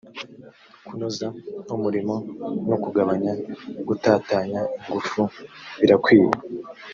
kunoza umurimo no kugabanya gutatanya ingufu birakwiye